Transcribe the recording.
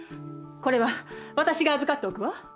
これは私が預かっておくわ。